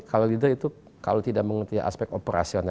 kalau leader itu kalau tidak mengerti aspek operasional